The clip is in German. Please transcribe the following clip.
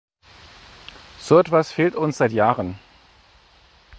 So etwas fehlt uns seit Jahren.